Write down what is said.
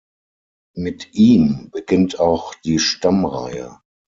Mit ihm beginnt auch die Stammreihe.